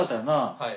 はい。